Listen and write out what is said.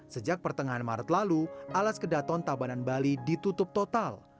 sejak pertengahan maret lalu alas kedaton tabanan bali ditutup total